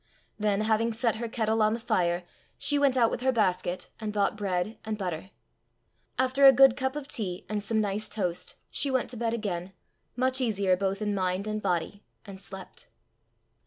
Then, having set her kettle on the fire, she went out with her basket, and bought bread, and butter. After a good cup of tea and some nice toast, she went to bed again, much easier both in mind and body, and slept.